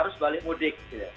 arus balik mudik